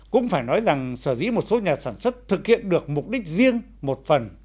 cũng phải nói rằng sở dĩ một số nhà sản xuất thực hiện được mục đích riêng một phần